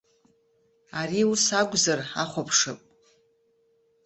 Ари ус акәзар ҳахәаԥшып.